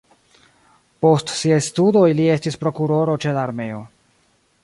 Post siaj studoj li estis prokuroro ĉe la armeo.